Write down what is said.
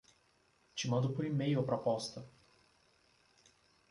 Te mando por e-mail a proposta